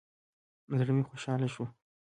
زړه مې خوشحاله شو.